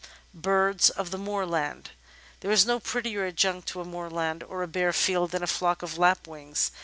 Birds of the Moorland There is no prettier adjunct to a moorland, or a bare field, than a flock of Lapwings.